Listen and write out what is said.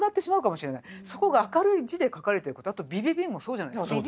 そこが明るい字で書かれてることあとビビビンもそうじゃないですか。